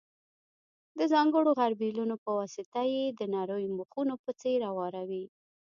د ځانګړو غربیلونو په واسطه یې د نریو مخونو په څېر اواروي.